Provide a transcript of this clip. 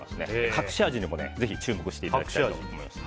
隠し味にもぜひ注目していただきたいと思います。